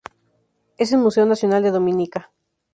Es el museo nacional de Dominica.